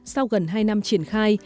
sau gần hai năm triển khai